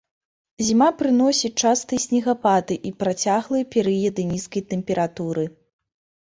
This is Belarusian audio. Зіма прыносіць частыя снегапады і працяглыя перыяды нізкай тэмпературы.